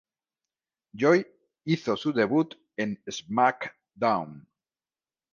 Joy hizo su debut en SmackDown!